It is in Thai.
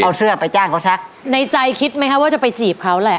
เอาเสื้อไปจ้างเขาซักในใจคิดไหมคะว่าจะไปจีบเขาแหละ